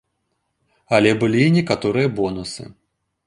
Але былі і некаторыя бонусы.